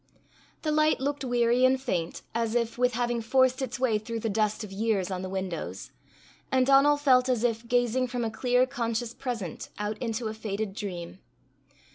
The light looked weary and faint, as if with having forced its way through the dust of years on the windows; and Donal felt as if gazing from a clear conscious present out into a faded dream.